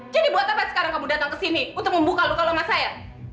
jadi buat apa sekarang kamu datang ke sini untuk membuka luka loma saya